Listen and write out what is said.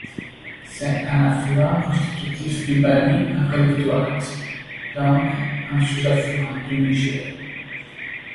C'est un affluent constitutif du Bani en rive droite, donc un sous-affluent du Niger.